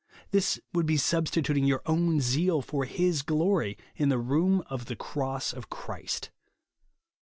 This would be substituting your own zeal for his glory, in the room of the cross of Christ.